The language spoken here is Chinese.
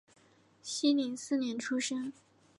熙宁四年出生。